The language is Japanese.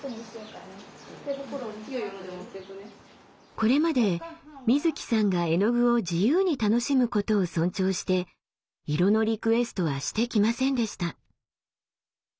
これまでみずきさんが絵の具を自由に楽しむことを尊重して色のリクエストはしてきませんでした。